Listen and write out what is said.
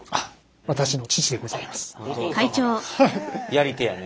やり手やね。